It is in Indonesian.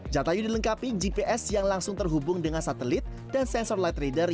jatayu dilengkapi gps yang langsung terhubung dengan satelit dan sensor light reader